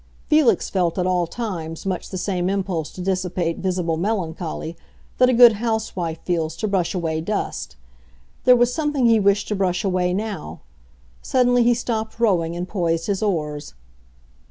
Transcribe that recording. Felix felt, at all times, much the same impulse to dissipate visible melancholy that a good housewife feels to brush away dust. There was something he wished to brush away now; suddenly he stopped rowing and poised his oars.